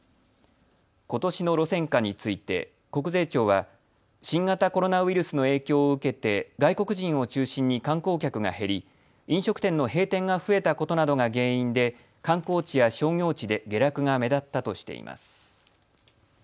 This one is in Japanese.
ことしの路線価について国税庁は新型コロナウイルスの影響を受けて外国人を中心に観光客が減り、飲食店の閉店が増えたことなどが原因で観光地や商業地で下落が目立ったとしています。